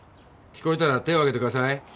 聞こえたら手を挙げてください。